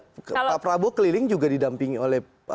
pak prabowo keliling juga didampingi oleh